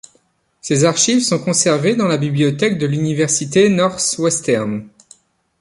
Ses archives sont conservés dans la bibliothèque de l'université Northwestern.